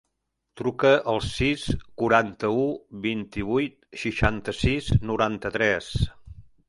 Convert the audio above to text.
Truca al sis, quaranta-u, vint-i-vuit, seixanta-sis, noranta-tres.